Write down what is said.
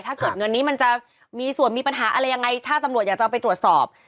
ถ้าเกิดเงินนี้มันจะมีส่วนมีปัญหาอะไรยังไงถ้าตำรวจอยากจะไปตรวจสอบ